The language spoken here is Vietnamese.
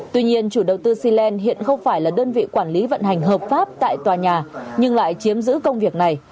tuy nhiên chủ đầu tư cy land hiện không phải là đơn vị quản lý vận hành hợp pháp tại tòa nhà nhưng lại chiếm giữ công việc này